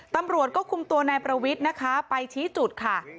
ตำรวจก็คุมตัวนายประวิทย์นะคะไปชี้จุดค่ะ